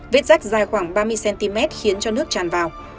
vết rác dài khoảng ba mươi cm khiến cho nước tràn vào